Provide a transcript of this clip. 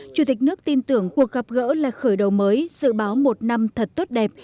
chủ tịch nước tin tưởng cuộc gặp gỡ là khởi đầu mới dự báo một năm thật tốt đẹp